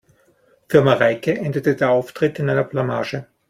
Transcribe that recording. Für Mareike endete der Auftritt in einer Blamage.